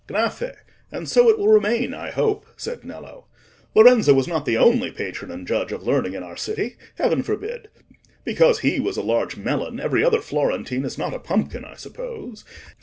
'" "Gnaffè, and so it will remain, I hope," said Nello, "Lorenzo was not the only patron and judge of learning in our city—heaven forbid! Because he was a large melon, every other Florentine is not a pumpkin, I suppose.